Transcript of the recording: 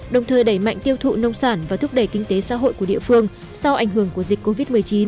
đồng thời đẩy mạnh tiêu thụ nông sản và thúc đẩy kinh tế xã hội của địa phương sau ảnh hưởng của dịch covid một mươi chín